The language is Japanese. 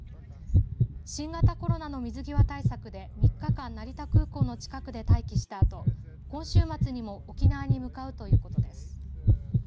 新型コロナの水際対策で３日間成田空港の近くで待機したあと今週末にも沖縄に向かうということです。